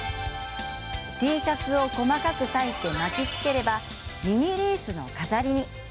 Ｔシャツを細かく裂いて巻きつければミニリースの飾りに。